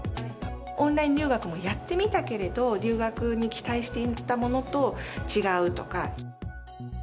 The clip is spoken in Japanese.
オンライン留学もやってみたけれど、留学に期待していたものと違うとか。